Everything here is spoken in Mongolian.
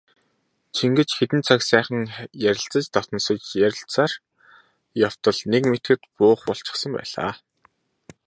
Чингэж хэдэн цаг сайхан ярилцан дотносож ярилцсаар явтал нэг мэдэхэд буух болчихсон байлаа.